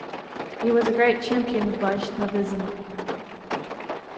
He was a great champion of Vaishnavism.